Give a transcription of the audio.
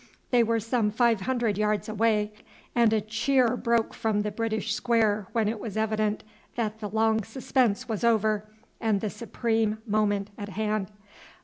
They were some five hundred yards away, and a cheer broke from the British square when it was evident that the long suspense was over and the supreme moment at hand.